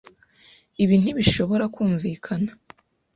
Ibi ntibishobora kumvikana.